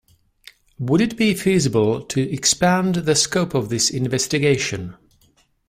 Would it be feasible to expand the scope of this investigation?